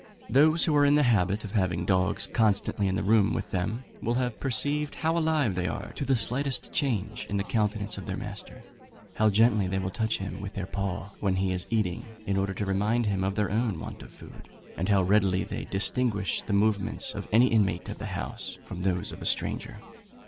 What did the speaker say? Those who are in the habit of having dogs constantly in the room with them, will have perceived how alive they are to the slightest change in the countenance of their master; how gently they will touch him with their paw when he is eating, in order to remind him of their own want of food; and how readily they distinguish the movements of any inmate of the house from those of a stranger.